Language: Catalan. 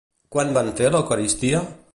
Quan van fer l'eucaristia?